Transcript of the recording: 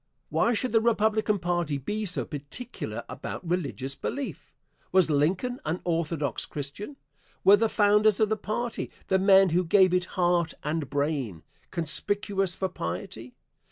Why should the Republican party be so particular about religious belief? Was Lincoln an orthodox Christian? Were the founders of the party the men who gave it heart and brain conspicuous for piety?